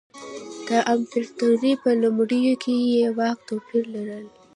د امپراتورۍ په لومړیو کې یې واک توپیر لري.